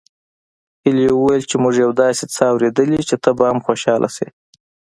هيلې وويل چې موږ يو داسې څه اورېدلي چې ته به هم خوشحاله شې